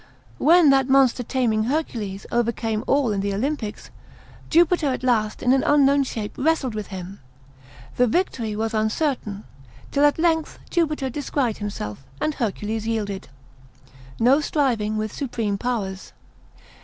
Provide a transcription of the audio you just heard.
When that monster taming Hercules overcame all in the Olympics, Jupiter at last in an unknown shape wrestled with him; the victory was uncertain, till at length Jupiter descried himself, and Hercules yielded. No striving with supreme powers.